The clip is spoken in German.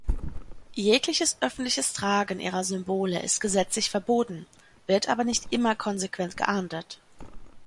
Jegliches öffentliches Tragen ihrer Symbole ist gesetzlich verboten, wird aber nicht immer konsequent geahndet.